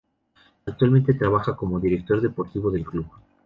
Actualmente trabaja como director deportivo del club.